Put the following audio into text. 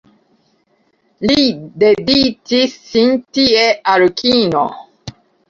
Li dediĉis sin tie al kino.